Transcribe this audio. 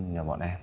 như là bọn em